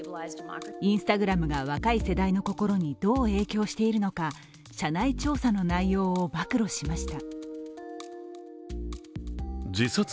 Ｉｎｓｔａｇｒａｍが若い世代の心にどう影響しているのか社内調査の内容を暴露しました。